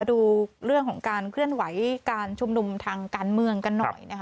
ดูเรื่องของการเคลื่อนไหวการชุมนุมทางการเมืองกันหน่อยนะคะ